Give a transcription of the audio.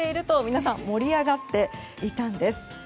と皆さん盛り上がっていたんです。